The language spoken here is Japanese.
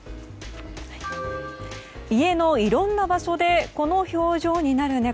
家のいろんな場所でこの表情になる猫。